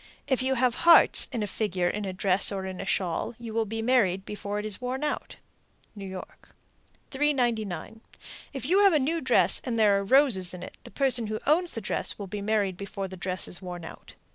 If you have hearts in a figure in a dress or in a shawl, you will be married before it is worn out. New York. 399. If you have a new dress and there are roses in it, the person who owns the dress will be married before the dress is worn out.